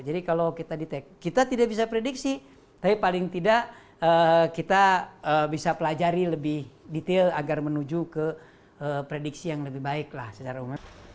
jadi kalau kita tidak bisa prediksi tapi paling tidak kita bisa pelajari lebih detail agar menuju ke prediksi yang lebih baiklah secara umum